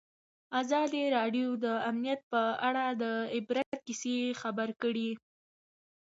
ازادي راډیو د امنیت په اړه د عبرت کیسې خبر کړي.